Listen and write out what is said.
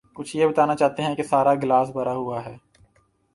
کچھ یہ بتانا چاہتے ہیں کہ سارا گلاس بھرا ہوا ہے۔